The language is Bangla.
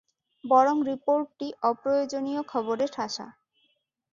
বরং রিপোর্টটি অপ্রয়োজনীয় খবরে ঠাসা।